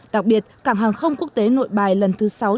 đặc biệt cảng hàng không quốc tế nội bài lần thứ sáu